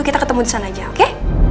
kita ketemu di sana aja oke